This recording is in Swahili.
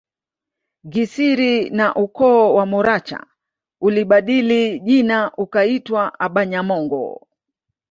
Gisiri na ukoo wa Moracha ulibadili jina ukaitwa abanyamongo